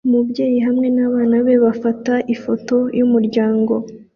Umubyeyi hamwe nabana be bafata ifoto yumuryango